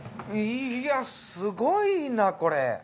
いやすごいなこれ。